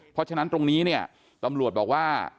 เพราะฉะนั้นตรงนี้เนี่ยตำรวจบอกว่า